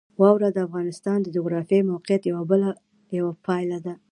واوره د افغانستان د جغرافیایي موقیعت یوه پایله ده.